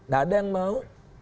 nah ada yang mau